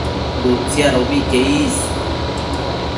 Bëtsiadobi que is